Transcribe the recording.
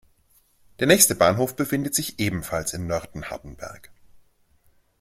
Der nächste Bahnhof befindet sich ebenfalls in Nörten-Hardenberg.